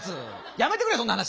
やめてくれそんな話！